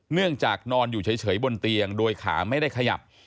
เนื่องจากนอนอยู่เฉยบนเตียงโดยขาไม่ได้ขยับ